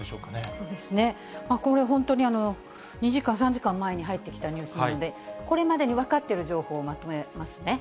そうですね、これ本当に２時間、３時間前に入ってきたニュースなんで、これまでに分かっている情報をまとめますね。